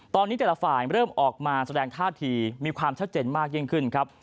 ตอนนี้แต่ละฝ่ายเริ่มออกมาแสดงท่าทีมีความชัดเจนมากยิ่งขึ้นครับ